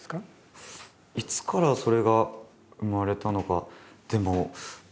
いつからそれが生まれたのか。